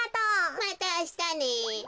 またあしたね。